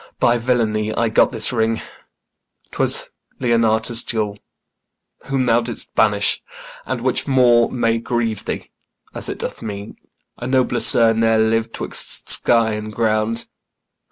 By villainy I got this ring; 'twas Leonatus' jewel, Whom thou didst banish; and which more may grieve thee, As it doth me a nobler sir ne'er liv'd 'Twixt sky and ground.